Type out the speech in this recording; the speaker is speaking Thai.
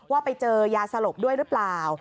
ว่าไปเจอยาสลบด้วยหรือเปล่า